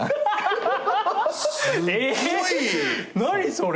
それ。